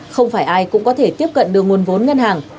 không phải ai cũng có thể tiếp cận được nguồn vốn ngân hàng